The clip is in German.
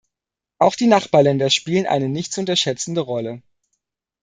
Auch die Nachbarländer spielen eine nicht zu unterschätzende Rolle.